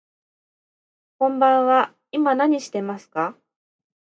こんばんは、今何してますか。